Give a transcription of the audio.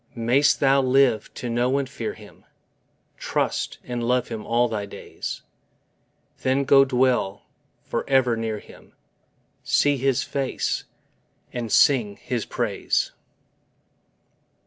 May'st thou live to know and fear Him, Trust and love Him all thy days: Then go dwell for ever near Him, See His face, and sing His praise!